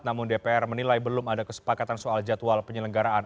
namun dpr menilai belum ada kesepakatan soal jadwal penyelenggaraan